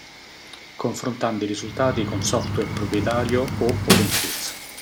Confrontando i risultati con software proprietario o open source.